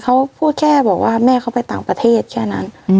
เขาพูดแค่บอกว่าแม่เขาไปต่างประเทศแค่นั้น